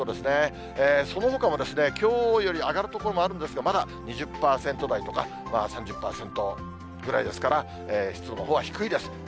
そのほかも、きょうより上がる所もあるんですが、まだ２０％台とか、３０％ぐらいですから、湿度のほうは低いです。